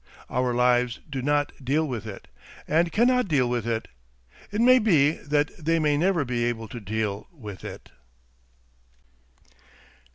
Our lives do not deal with it, and cannot deal with it. It may be that they may never be able to deal with it.